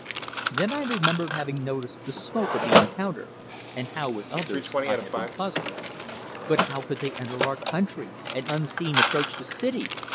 Then I remembered having noticed the smoke of the encounter, and how with others, I had been puzzled. "But how could they enter our country, and unseen approach the city?"